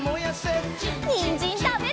にんじんたべるよ！